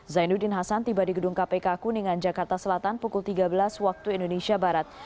zainuddin hasan tiba di gedung kpk kuningan jakarta selatan pukul tiga belas waktu indonesia barat